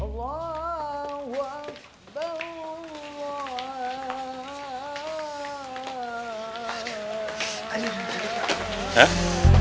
aduh aneh aneh